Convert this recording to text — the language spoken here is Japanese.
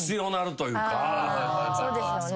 そうですよね。